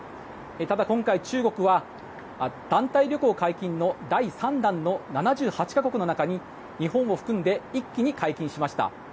ただ今回、中国は団体旅行解禁の第３弾の７８か国の中に日本を含んで一気に解禁しました。